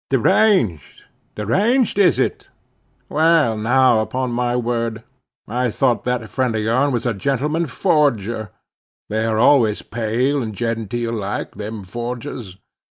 "Deranged? deranged is it? Well now, upon my word, I thought that friend of yourn was a gentleman forger; they are always pale and genteel like, them forgers.